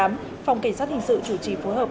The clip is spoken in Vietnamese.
phòng kỳ sát hình sự chủ trì phối hợp